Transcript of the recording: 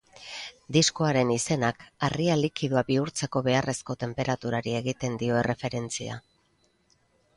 Diskoaren izenak harria likido bihurtzeko beharrezko tenperaturari egiten dio erreferentzia.